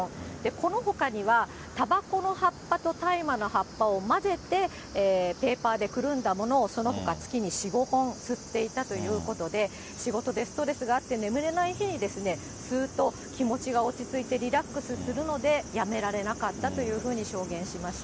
このほかには、たばこの葉っぱと大麻の葉っぱを混ぜて、ペーパーでくるんだものを、そのほか月に４、５本吸っていたということで、仕事でストレスがあって眠れない日に吸うと気持ちが落ち着いてリラックスするのでやめられなかったというふうに証言しました。